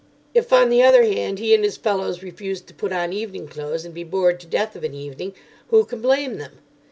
If, on the other hand, he and his fellows refuse to put on evening clothes and be bored to death of an evening, who can blame them?